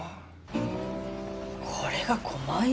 これが５万円！？